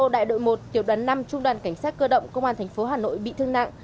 đại đội một tiểu đoàn năm trung đoàn cảnh sát cơ động công an thành phố hà nội bị thương nặng